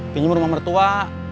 pinjam uang rumah mertua